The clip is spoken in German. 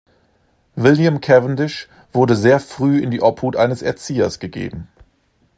William Cavendish wurde sehr früh in die Obhut eines Erziehers gegeben.